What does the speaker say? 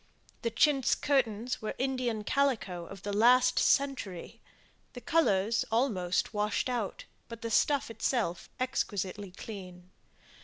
The chintz curtains were Indian calico of the last century the colours almost washed out, but the stuff itself exquisitely clean.